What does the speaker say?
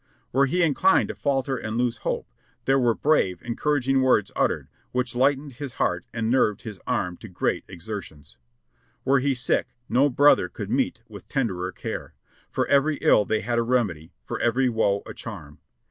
Were he inclined to falter and lose hope, there were brave, encouraging words uttered, which lightened his heart and nerved his arm to greater exer tions. Were he sick, no brother could meet with tenderer care. For every ill they had a remedy, for every woe a charm.